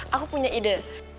aku punya ide